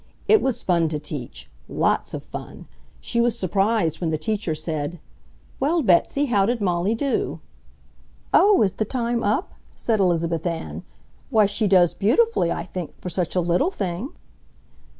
It was fun to teach, LOTS of fun! She was surprised when the teacher said, "Well, Betsy, how did Molly do?" "Oh, is the time up?" said Elizabeth Ann. "Why, she does beautifully, I think, for such a little thing."